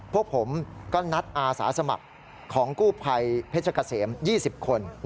พวกผมก็นัดอาสาสมัครของกู้ภัยเพชรเกษม๒๐คน